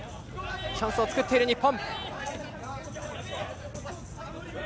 チャンスを作っている日本。